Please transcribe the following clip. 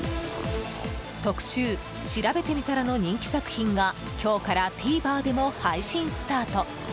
特集しらべてみたらの人気作品が今日Ｔｖｅｒでも配信がスタート。